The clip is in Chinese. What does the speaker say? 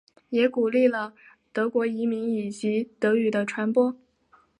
也鼓励了德国移民以及德语的传播。